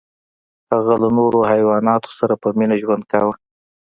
هغه له نورو حیواناتو سره په مینه ژوند کاوه.